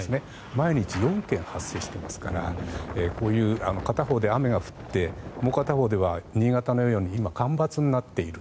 毎日４件発生していますからこういう、片方で雨が降ってもう片方では新潟のように干ばつになっている。